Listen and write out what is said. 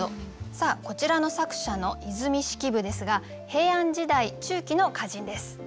こちらの作者の和泉式部ですが平安時代中期の歌人です。